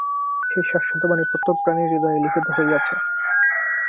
সেই শাশ্বত বাণী প্রত্যেক প্রাণীর হৃদয়ে লিখিত হইয়াছে।